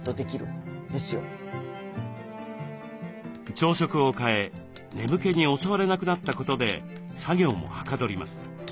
朝食を変え眠気に襲われなくなったことで作業もはかどります。